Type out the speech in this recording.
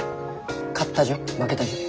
勝った順負けた順？